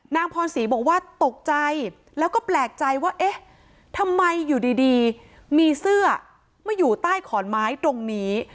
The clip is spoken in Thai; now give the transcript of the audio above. นางพรศรีบอกว่าตกใจแล้วก็แปลกใจว่าเอ๊ะทำไมอยู่ดีมีเสื้อมาอยู่ใต้ขอนไม้ตรงนี้